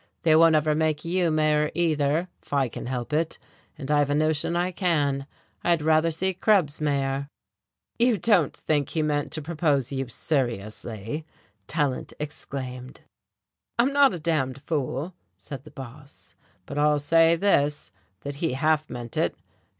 "They won't ever make you mayor, either, if I can help it. And I've a notion I can. I'd rather see Krebs mayor." "You don't think he meant to propose you seriously," Tallant exclaimed. "I'm not a d d fool," said the boss. "But I'll say this, that he half meant it.